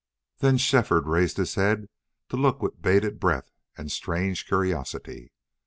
Then Shefford raised his head to look with bated breath and strange curiosity.